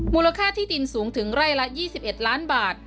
มูลค่าที่ดินสูงถึงไร่ละ๒๑ล้านบาท